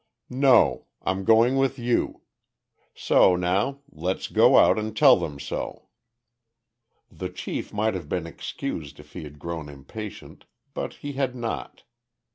"No. I'm going with you. So now, let's go out and tell them so." The chief might have been excused if he had grown impatient, but he had not.